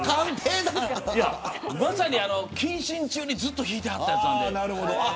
まさに謹慎中にずっと弾いてはったやつなんで。